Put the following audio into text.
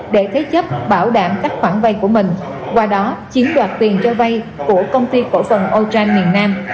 để thế chấp bảo đảm các khoản vay của mình qua đó chiếm đoạt tiền cho vay của công ty cổ phần otrand miền nam